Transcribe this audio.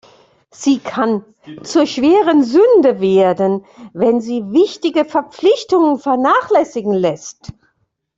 Sie kann zur schweren Sünde werden, wenn sie wichtige Verpflichtungen vernachlässigen lässt.